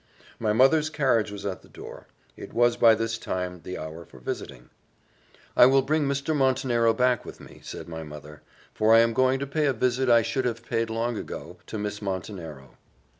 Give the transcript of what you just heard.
My mother's carriage was at the door; it was by this time the hour for visiting. "I will bring Mr. Montenero back with me," said my mother, "for I am going to pay a visit I should have paid long ago to Miss Montenero."